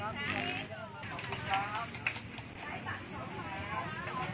อันดับอันดับอันดับอันดับอันดับ